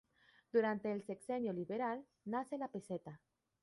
Durante el Sexenio Liberal nace la peseta.